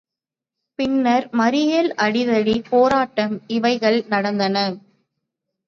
பின்னர் மறியல் அடிதடி போராட்டம் இவைகள் நடந்தன.